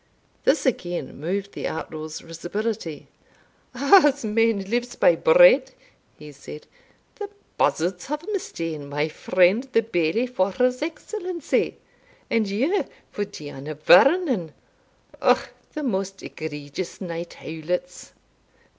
This again moved the outlaw's risibility. "As man lives by bread," he said, "the buzzards have mistaen my friend the Bailie for his Excellency, and you for Diana Vernon O, the most egregious night howlets!"